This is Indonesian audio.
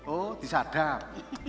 oh di sadar